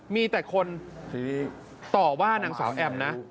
มีแต่คนต่อว่านางสาวแอมนะ